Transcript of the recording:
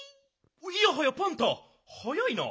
いやはやパンタ早いな。